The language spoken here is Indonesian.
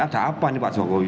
ada apa nih pak jokowi